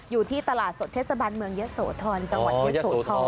อยู่ที่ตลาดสดเทศบาลเมืองเยอะโสธรจังหวัดเยอะโสธร